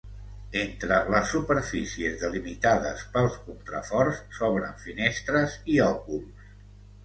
Entre les superfícies delimitades pels contraforts, s'obren finestres i òculs.